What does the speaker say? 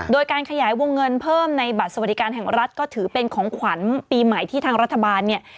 โดยการขยายวงเงินเพิ่มในบัตรสวัสดิการแห่งรัฐก็ถือเป็นของขวัญปีใหม่ที่ทางรัฐบาลเนี่ย